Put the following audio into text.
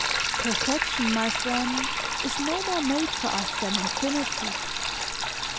"Perfection, my friend, is no more made for us than infinity.